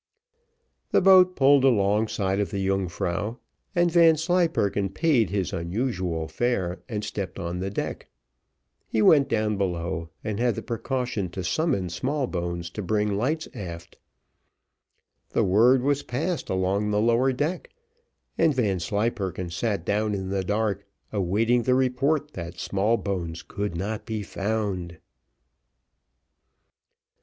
The boat pulled alongside of the Yungfrau, and Vanslyperken paid his unusual fare, and stepped on the deck. He went down below, and had the precaution to summon Smallbones to bring lights aft. The word was passed along the lower deck, and Vanslyperken sat down in the dark, awaiting the report that Smallbones could not be found.